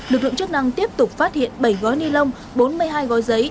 lực lượng chức năng tiếp tục phát hiện bảy gói ni lông bốn mươi hai gói giấy